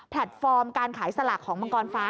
ฟอร์มการขายสลากของมังกรฟ้า